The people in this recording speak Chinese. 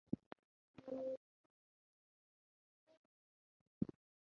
这次中弹并未造成显着损伤。